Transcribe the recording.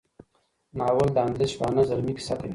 ناول د اندلسي شپانه زلمي کیسه کوي.